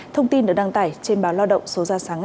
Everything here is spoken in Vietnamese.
thông tin được đăng tải trên báo lo động